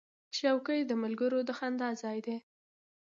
چوکۍ د ملګرو د خندا ځای دی.